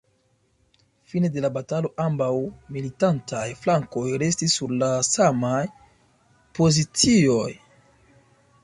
Fine de la batalo ambaŭ militantaj flankoj restis sur la samaj pozicioj.